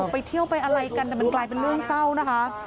ไปเที่ยวไปอะไรกันแต่มันกลายเป็นเรื่องเศร้านะคะ